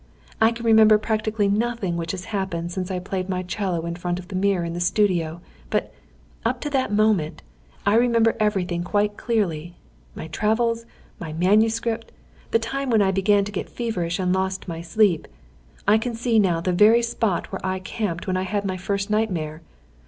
I can remember practically nothing which has happened since I played my 'cello in front of the mirror in the studio. But, up to that moment, I remember everything quite clearly; my travels, my manuscript, the time when I began to get feverish and lost my sleep I can see now the very spot where I camped when I had my first nightmare.